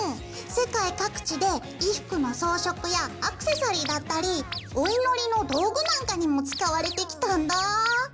世界各地で衣服の装飾やアクセサリーだったりお祈りの道具なんかにも使われてきたんだ。